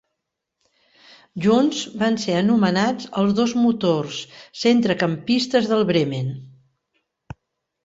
Junts, van ser anomenats els dos motors centrecampistes del Bremen.